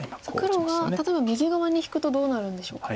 黒が例えば右側に引くとどうなるんでしょうか。